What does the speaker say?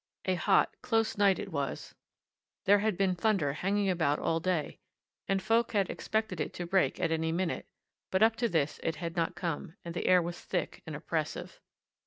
A hot, close night it was there had been thunder hanging about all day, and folk had expected it to break at any minute, but up to this it had not come, and the air was thick and oppressive.